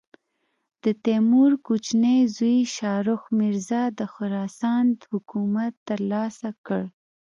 د تیمور کوچني زوی شاهرخ مرزا د خراسان حکومت تر لاسه کړ.